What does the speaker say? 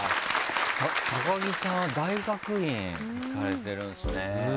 木さんは大学院行かれてるんですね。